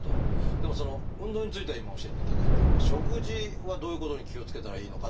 でも運動については今教えていただいたんで食事はどういうことに気をつけたらいいのかなっていうことですが。